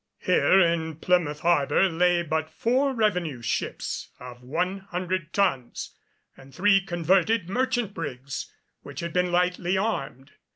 Here in Plymouth harbor lay but four revenue ships of one hundred tons, and three converted merchant brigs which had been lightly armed.